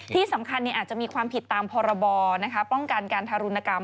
ที่สำคัญอาจจะมีความผิดตามพรบป้องกันการทารุณกรรม